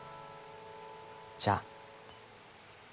じゃあ。